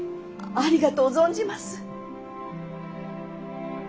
ありがとう存じます。